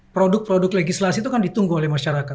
produk produk legislasi itu kan ditunggu oleh masyarakat